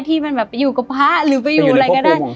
ที่มันแบบอยู่กับพระหรือไปอยู่อะไรก็ได้